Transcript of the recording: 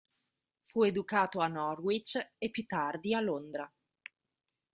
Fu educato a Norwich e più tardi a Londra.